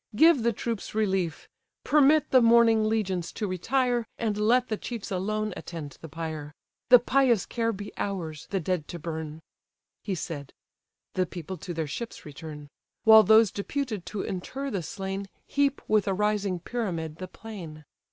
give the troops relief: Permit the mourning legions to retire, And let the chiefs alone attend the pyre; The pious care be ours, the dead to burn—" He said: the people to their ships return: While those deputed to inter the slain Heap with a rising pyramid the plain.